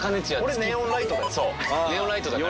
俺ネオンライトだよ。